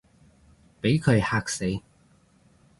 畀佢嚇死